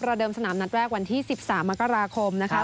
เดิมสนามนัดแรกวันที่๑๓มกราคมนะคะ